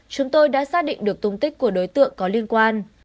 chúng tôi đã xác định được tung tích của đối tượng có liên quan